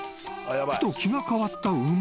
［ふと気が変わった馬］